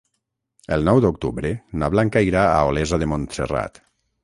El nou d'octubre na Blanca irà a Olesa de Montserrat.